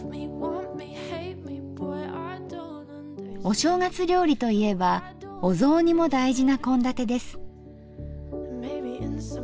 お正月料理といえばお雑煮も大事な献立です。